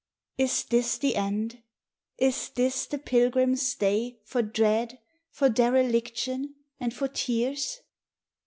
Is this the end? Is this the pilgrim's day For dread, for dereliction, and for tears?